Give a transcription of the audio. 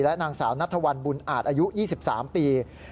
นางสาวนัทวันบุญอาจอายุ๒๓ปี